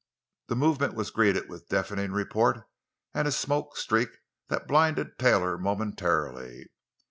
The movement was greeted with deafening report and a smoke streak that blinded Taylor momentarily.